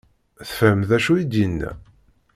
Tefhem d acu i d-yenna?